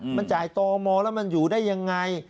มันจ่ายตมแล้วมันอยู่ได้ยังไง